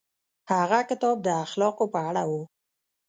هغه کتاب د اخلاقو په اړه و.